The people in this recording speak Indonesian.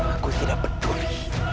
aku tidak peduli